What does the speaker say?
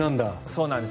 そうなんです。